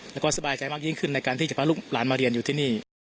แล้วก็สบายใจมากยิ่งขึ้นในการที่จะพาลูกหลานมาเรียนอยู่ที่นี่